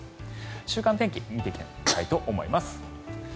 週間天気を見ていきたいと思います。